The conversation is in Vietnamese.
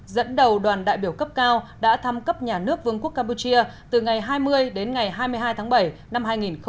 dẫn đầu đoàn đại biểu cấp cao đã thăm cấp nhà nước vương quốc campuchia từ ngày hai mươi đến ngày hai mươi hai tháng bảy năm hai nghìn một mươi chín